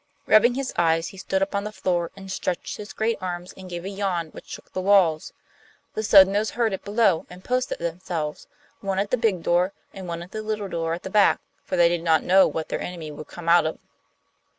Rubbing his eyes, he stood up on the floor and stretched his great arms and gave a yawn which shook the walls. The Sodnos heard it below, and posted themselves, one at the big door and one at the little door at the back, for they did not know what their enemy would come out at.